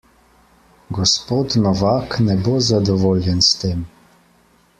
Gospod Novak ne bo zadovoljen s tem.